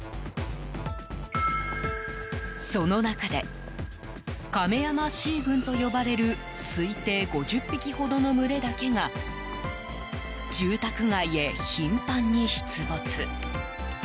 その中で亀山Ｃ群と呼ばれる推定５０匹ほどの群れだけが住宅街へ頻繁に出没。